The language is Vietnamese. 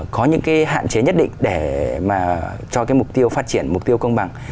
có những cái hạn chế nhất định để mà cho cái mục tiêu phát triển mục tiêu công bằng